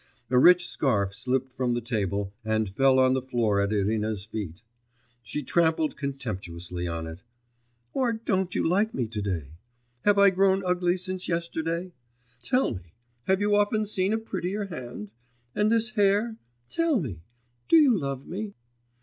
A rich scarf slipped from the table and fell on the floor at Irina's feet. She trampled contemptuously on it. 'Or don't you like me, to day? Have I grown ugly since yesterday? Tell me, have you often seen a prettier hand? And this hair? Tell me, do you love me?